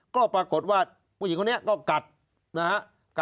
ก็ปรากฏว่าผู้หญิงคนนี้ก็กัดนะฮะ